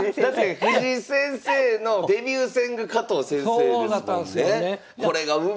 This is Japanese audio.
藤井先生のデビュー戦が加藤先生ですもんね。